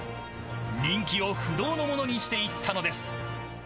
人気を不動のものにしていったのです。